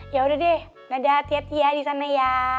yaudah deh nadah tiap tiap di sana ya